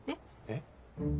えっ？